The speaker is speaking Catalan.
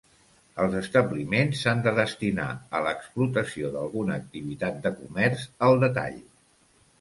Els establiments s'han de destinar a l'explotació d'alguna activitat de comerç al detall.